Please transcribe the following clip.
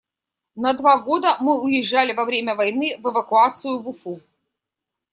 На два года мы уезжали во время войны в эвакуацию в Уфу.